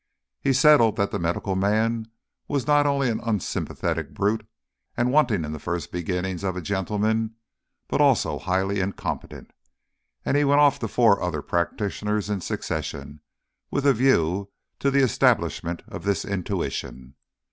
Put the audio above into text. He settled that the medical man was not only an unsympathetic brute and wanting in the first beginnings of a gentleman, but also highly incompetent; and he went off to four other practitioners in succession, with a view to the establishment of this intuition.